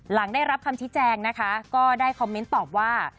หลังได้รับคำชี้แจงนะคะก็ได้คอมเมนต์ตอบว่า